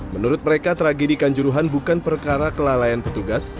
menurut mereka tragedi kanjuruhan bukan perkara kelalaian petugas